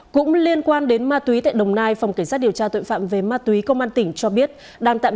cũng liên quan đến ma túy tại đồng nai phòng cảnh sát điều tra tội phạm về ma túy công an tỉnh cho biết đang tạm